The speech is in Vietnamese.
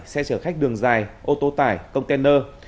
xe chở khách đường dài ô tô tải container